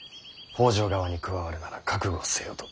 北条側に加わるなら覚悟せよと。